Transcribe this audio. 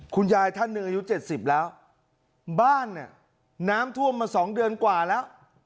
คุณยายท่านหนึ่งอายุเจ็ดสิบแล้วบ้านน่ะน้ำท่วมมาสองเดือนกว่าแล้ว